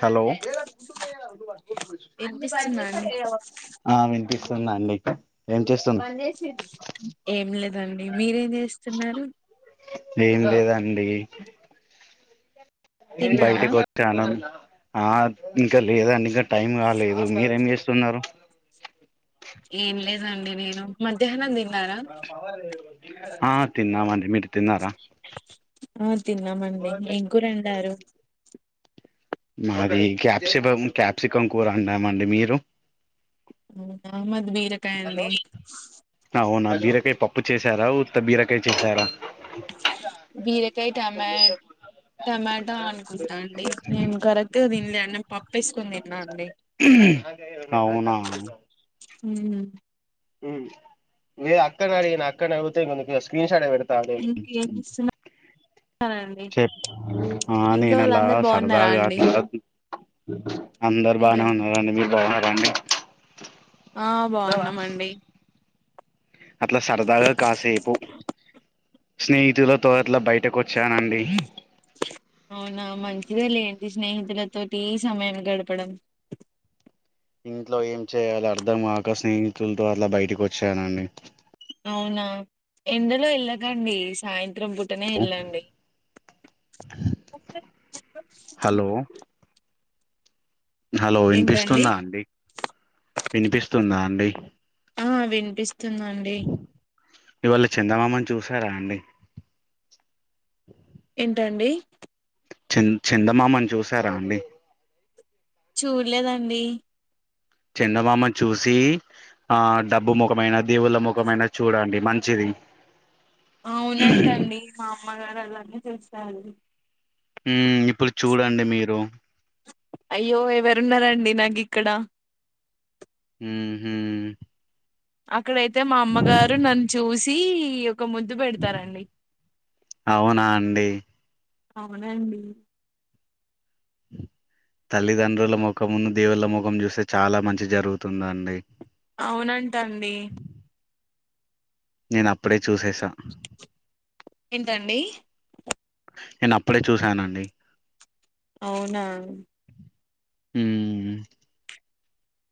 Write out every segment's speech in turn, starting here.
Hello వినిపిస్తుందా అండి అ వినిపి స్తుంది అండి ఏం చేస్తున్నారు ఏం లేదండి మీరేం చేస్తున్నారు ఏం లేదండి తిన్నారా బయటికి వచ్చాను ఆ ఇంకా లేదండి ఇంకా టైం కాలేదు మీరేం చేస్తున్నారు ఏన్లేదండి నేను మధ్యాహ్నం తి ఆ తిన్నా మండి మీరు తిన్నారా ఆ తిన్నామండి ఏం కూరన్నారు మాది క్యాప్సికం క్యాప్సికం కూర అన్నామండి మీరు వు మ బీరకాయ అండి అవునా బీరకాయ పప్పు చేశారా ఉత్త బీరకాయ చేసారా బీరకాయ టమా టమాటా అనుకుంటా అండి నేను కరెక్ట్గా తిినలే నేను పప్పుేసుకొని తిన్నాండి అవునా హు మ్ ఉ వే అక్కన అడిగినా అక్కని అంతే ఇం ప్యస సడ పెడతా ఇంకేం చేస్తున్నారండి చె ఇంట్లో నేను వాళ్ళు అలా అందరు బాగున్నారా సరదాగా అండి అందరు బాగానే ఏంటండి ఉన్నారు మీరు బావు రండి ఆ బాగున్నామండి అట్లా సరదాగా కాసేపు స్నేహితులతో అట్లా బయట అవునా మంచిదే లేండి స్నేహితులతోటి ఈ సమయం గడపడం ఇంట్లో ఏం చేయాలి అర్ధంకాక స్నేహితులతో అట్లా బయటకి వచ్చానండి అవునా ఎండలో వెళ్ళకండి సాయం తరం పుట్టనే వెళ్ళండి హలో హలో ఏంటండి వినిపిస్తుందా అండి వినిపిస్తుందా అండి ఆ వినిపిస్ తుందండి ఇవాళ చిందమామని చూసారా అండి ఏంటండీ చింద చందమామని చూసారా అండి చూడలేదండి చందమామని చూసి ఆ డబ్బు మొకమయినా దేవుళ్ళ మొకమయినా చూడండి మంచిది అవునంటండి మా అమ్మగారు అలానే చూస్తారు ఉమ్ ఇప్పుడు చూడండి మీరు అయ్యో ఎవరూనరండి నక్ ఇక్కడా ఉహుమ్ ఆకడయతే మా అమ్మగారు నన్ను చూసి ఒక ముద్దు పెడతారండి అవునా అండి అవునండి తల్లిదండ్రుల ముఖమున్న దేవుళ్ల ముఖం చూస్తే చాలా మంచి జరుగుతుందండి అవునంటండి నేను అప్పుడే చేసేసా ఏంటండి నేను అప్పుడే చూసానండి అవునా ఉమ్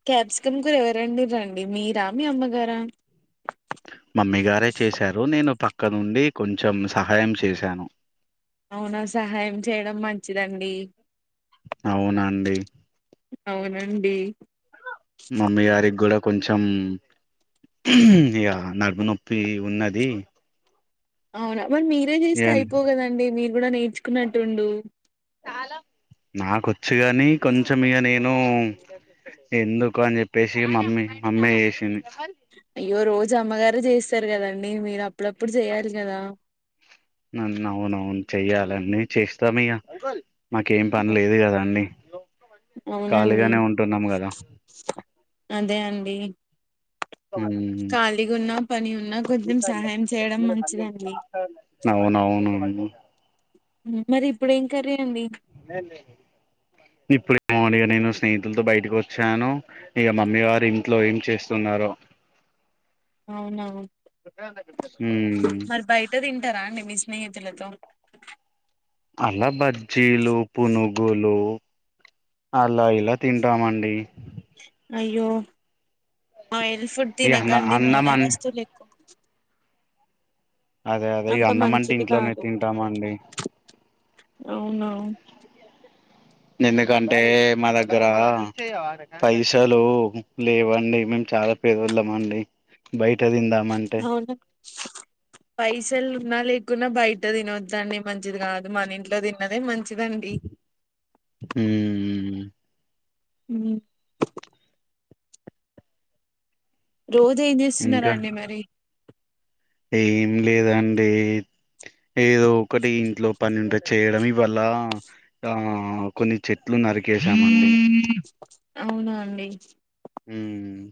క్యాప్సికమ్ కూరా ఎవర్ వండిండ్రండి మీరా మీ అమ్మగారా ముమ్ముగారే చేశారు నేను పక్కనుండి కొంచెం సహాయం చేశాను అవునా సహాయం చేయడం మంచిదండి అవునండి అవునండి మమ్మీ గారికి గూడా కొంచెం ఇక నడుము నొప్పి ఉన్నది అవునా మరి మీరే ఇక చేస్తే అయిపోవు కదండి మీరు కూడా నేర్చుకున్నట్టు ఉండు నొక్వోచు గానీ కొంచెం ఇక నేను ఎందుకు అని చెప్పేసి మమ్మీ మమ్మీ చేసింది అయ్యో రోజు అమ్మగారే చేస్తారు కదండి మీరు అప్ అప్పుడప్పుడు చేయాలి కదా నన్ను అవునవును చెయ్యాలండి చేస్తామ్ ఇగ మాకేం పని అవు- లేదు కదాండి హలో అవునండి ఖాళీగానే ఉంటున్నాము కదా అదే అండి మ్మ్ ఖాళీగా ఉన్నా పని ఉన్నా కొంచెం సహాయం చేయడం మంచిదండి అ మరి ఇప్పుడు ఏం కర్రీ అండి ఇప్పుడే మొమ్ గాడీగినే స్ స్నేహితులతో బయటకు వచ్చాను ఇక మమ్మీ వారు ఇంట్లో ఏం చేస్తున్నారో అవున ఉమ్ మరి బయట తింటారా అండి మీ స్నేహిత్ తులతో అలా బ్ బజ్జిలు పునుగ్ గులు అలా ఇలా తింటామండి అయ్యో ఆయిల్ ఫుడ్ ఈ అన్న తినకండి అన్నం నూనె అన్ వస్తువులు ఎక్కువ అదే అదే అంత అన్నంమంటే మంచిది ఇంట్లోనే కాదు తింటామ అండి అవునా ఎందుకంటే మా దగ్గర పైసలు లేవండి మేము చాలా పేదోళ్లమండి బయట్ ట్ తిందామ్ అంటే అవునా పైసలు ఉన్నా లేకున్నా బయట తినోద్దండి మంచిది కాదు మన ఇంట్లో తిన్నదే మంచ్ హ్మ్మ్ ఉమ్ రోజు ఏం చేస్తున్నార్ ఇంకా అండి మరి ఏం లేదండి ఏదో ఒకటి ఇంట్లో పని ఉంటే చేయడి వల్ల ఆ కొన్ని చెట్లు నరికేశామండి అవునా అండి హుమ్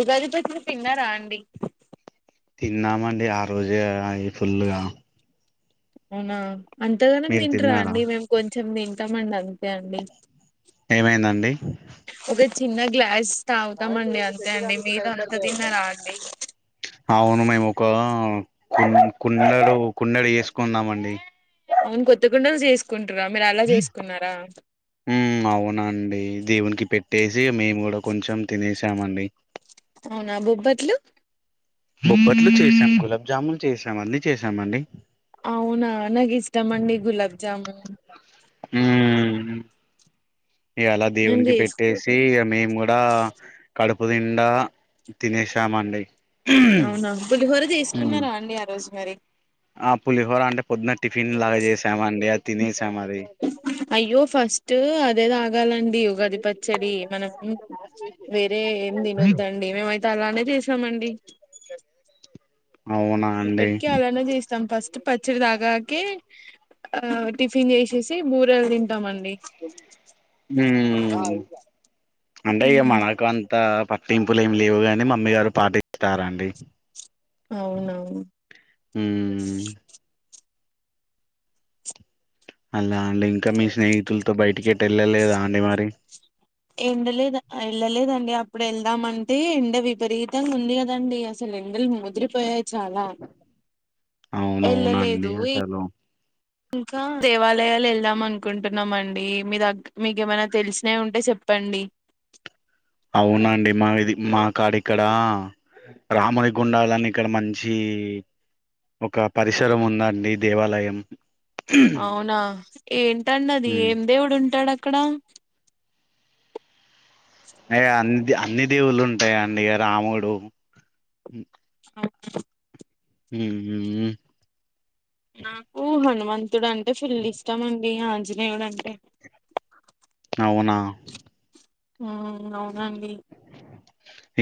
ఉగాదిపచ్చడీ తీన్నర అండి తిన్నామండి ఆ రోజే అ ఫుల్ గా అవునా అంతగానంగా మీరు తింటరా తిన్నారా అండి మేము కొం చెమ్ తింటామండి అంత్ తే అండి ఏమైందండి చిన్న గ్లాస్ తాగుతామండి అంతే అండి మీరు అంత తిన్నారా అండి అవును మేమొకా కు కుండడు కుండడు చేసుకున్నమండి అవును కొత్త్తకుండలు చేసు హ అవునండి దేవునికి పెట్టేసి మేము కూడ కొంచెం తినేసామండి అవునా బొబ్బట్లు బొబ్ప్పట్లు చేసాం గులాబ్జాములు చేసాం అన్నీ చేసామండి అవునా నాకు ఇష్టం అండి గులాబ్ జామున్ హ ఇగ అలా నేను దేవునికి పెట్టేసి చేసుకోలేదు మేము కూడా కడుపు పునిండా తినేేశామండి అవునా పులిహోర చేసుకున్నారా అండి ఆ రోజు మరి ఆ పులిహోర అంటే పొద్దున టిఫన్ లా చేశామండి ఆది తినేసాం అది అయ్యో ఫస్ట్ అదే తాగాలంట ది ఉగాది పచ్చడి మనం వేరే ఏం తినొద్దండి ఏమై అలానే చేసామండి అవునా అండి ఇప్పటికీ అలానే చేస్తాం ఫస్ట్ పచ్చడి తాగాకే ఆ టిఫిన్ చేసేసి బూరలు తింట అంటే ఇగ మనకు అంతా పట్టింపులు ఏమి లేవు కాని మమ్మీ గారు పాటిస్తారండి అవునవును ఉమ్ అలా అండి ఇంకా మీ స్నేహితులతో బయటికి ఎటు వెళ్ళలేదా అండి మరి ఎండలేదు వెళ్ళలేదండి అప్పుడు వెళ్దామంటే ఎండ విపరీతంగా ఉంది కదండి అసలు ఎండలు ముదిరిపోయాయి చాలా అవునవునండి వెళ్ళలేదు అసలు ఇంకా దేవాలయాలు వెల్దాం అనుకుంటున్నామండి మీ దగ్గ మీకు ఏమైనా తెలిసినయి ఉంటే చెప్పండి అవునండి మా ఇది మా కాడ ఇక్కడ రాముని గుండాలని ఇక్కడ మంచి ఒక పరిసరం ఉందండి దేవాలయం అవునా ఏంటండి అది ఉమ్ ఏం దేవుడు ఉంటాడక్క అక్కడ అయ అంత అన్ని దేవుళ్ళు ఉంటయండి ఇగ రాముడు అవునా హ నాకు హనుమంత మంతుడుంటే ఫుల్ ఇష్టం అండి మీ ఆంజనేయుడు అంట అవునా హ అవునండి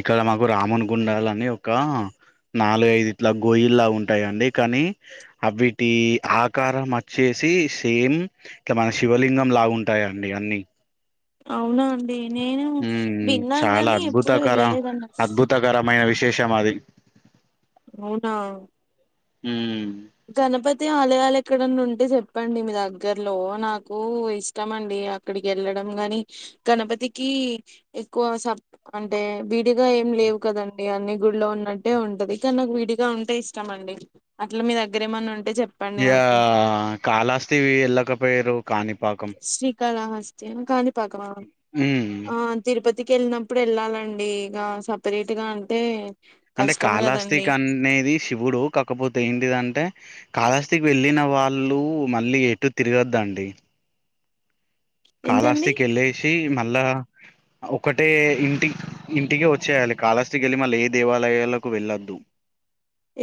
ఇక్కడ మాకు రామున్ గుండలు అని ఒక నాలుగయిదు ఇట్లా గోయిల్లాగా ఉంటాయంండి కానీ అవిటి ఆకారం వచ్చేసి సేమ్ ఇట్లా మన శివలింగం లాగా ఉంటాయంండి అన్ని అవునా అది నేను ఉమ్ విన్నాను చాలా గాని ఎప్పుడు వెళ్ళలేదున్నకు శేష మాదిరి అవునా హ గణపతి తే ఆలయాలు ఎక్కడన్నా ఉంటే చెప్పండి మీ దగ్గర్లో నాకు ఇష్టమ అండి అక్కడికి వెళ్ళడం గాని గణపతికి ఎక్కువ సప్ అంటే విడిగా ఏం లేవు కదండి అన్ని గులో ఉన్నట్టే ఉంటది కానీ నాకు విడిగా ఉంటే ఇష్టమ అండి అట్లా మీ దగ్గర మీరేమనన్ ఇగా కాలస్తివి ఎళ్లకపోయిర్రు కాణిపాకం కాళహస్తి అని కాణి పాకమా ఉమ్ ఆ తిరుపతి తి కెళ్ళినప్పుడు వెళ్ళాలండి ఇక సపరేట్ గా అంటే అంటే కష్టం కాళాస్తిక కదండి అనేది శివుడు కాకపోతే ఏంటిదంటే కాళాస్తికి వెళ్ళిన వాళ్ళు మళ్ళీ ఎటు తిరగద్దండి కాళాస్తి ఎందుకండి కెల్లేసి మ మళ్ళ ఒకటే ఇంటి ఇంటికి వచ్చేయాలి కాళాస్తికెళ్ళి మళ్ళీ ఏ దేవాలయాలకు వెళ్ళొద్దు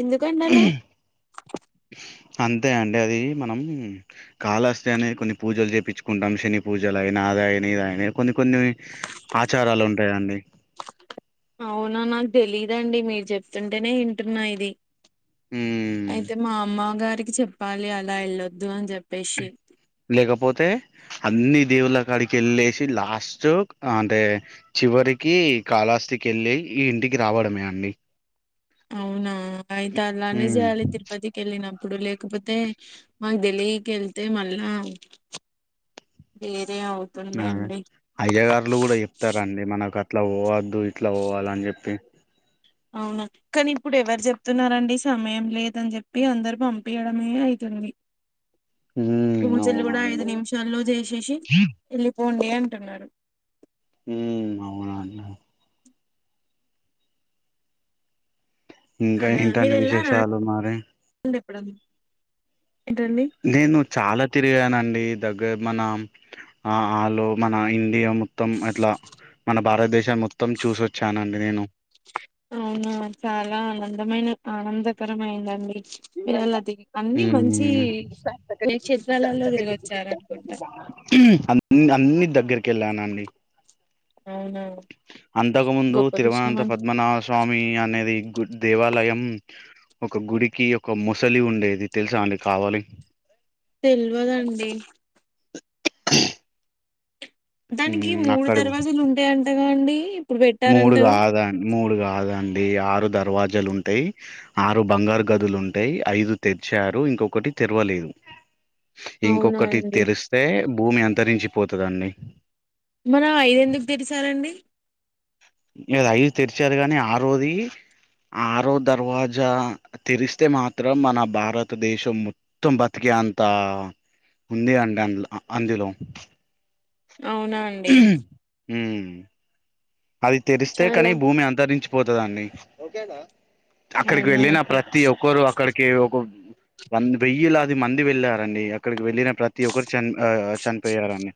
ఎందుకండలా అంతే అండి అది మనం కాళహస్తి అనే కొన్ని పూజలు చేపిచ్చుకుంటాం శని పూజలైన అదైన ఇదైనా కొన్ని కొన్ని ఆచారాలున్ టయండి అవునా నాక్ తెలీదండి మీరు చెప్తుంటేనే ఇంటున్నా ఇది ఉమ్. అయితే మా అమ్మ గారికి చెప్పాలి అలా ఎళ్ళొద్దు అని చెప్ప లేకపోతే అన్ని దేవుళ్ళ కాడికి ఎళ్ళేసి లాస్ట్ అంటే చివరికి కాళ్ళహస్తికి ఎళ్ళి ఈ ఇంటికి రావడమే అండి అవునా ఆయతలనే ఉమ్ జెయాలి తిరుపతికెళ్ళిన ఇప్పుడు లేకపోతే మాక్ తెలీకెళ్తే మళ్ళా అవుతుండే అ అండి అయ్యగారులు కూడా చెప్తారండి మనక ఇట్లా పోవద్దు ఇట్లా పోవాలని చెప్పి అవునా కానీ ఇప్పుడు ఎవరు చెప్తున్నారండి సమయం లేదని చెప్పి అందరు పంపీయడమే అయితుంది ఉమ్ పూజలు కూడా ఐదు అవునండి నిమిషాల్లో చేసేసి ఎళ్ళిపో పోండి అంటున్నారు ఉ అవునండి ఇంకా అదే మీరు ఎంటండి వెళ్ళారా విశేషాలు మరి అండి ఎప్పుడన్నా ఏంటండి నేను చాలా తిరిగానండి దగ్గర మన ఆ ఆలో మన ఇండియా మొత్తం అట్లా మన భారతదేశం మొత్తం చూసొచ్చానండి నేను అవునా చాలా ఆనందమైన ఆనందకరం అయిందండి క్షేత్రాలలో తిరిగొచ్చారనుకుంటా మ్ అన్ని దగ్గరికెళ్ళ న ండి అవునా అంతకు ముందు గొప్ప విషయం తిరువనంత అండి పద్మనాభ స్వామి అనేది గు దేవాలయం ఒక గుడికి ఒక ముసలి ఉండేది తెలుసా అండి కావలి తెల్వదండి దానికి మూడు అక్కడ దర్వాజలు ఉంటాయంట గదండి మూడు కాదాండి మూడు కాదండి ఆరు దర్వాజలు ఉంటాయి ఆరు బంగారు గదులు ఉంటాయి ఐదు తెరిచారు ఇంకొక్కటి తెరవలేదు అవునా ఇంకొక్కటి అండి తెరిస్తే భూమి అంతరించి పోతదండి మనం ఐద ఎందుకు తెరిసారండి ద అయి తెరిచారు కానీ ఆరోది ఆరో దర్వాజా తెరిస్తే మాత్రం మన భారతదేశం మొత్తం బతికే అంత ఉంది అండి అందు అందులో అవునా అండి హ అది తెరిస్తే కానీ చాలా భూమి అంతరించి పోతదాన్నిఓ అక్కడికి అవునా వెళ్ళిన అండి ప్రతి ఒక్కరు అక్కడికి ఒక వ వెయ్యిలాది మంది వెళ్ళారండి అక్కడికి వెళ్ళిన ప్రతి ఒక్కరు చని చనిపోయారండి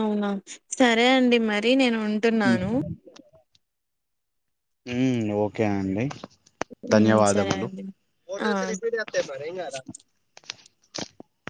అవునా సరే అండి మరి నేను ఉంటున్నాను హ ఓకే అండి ఉమ్ సరే అండి ధన్యవాదలుట ఆ రి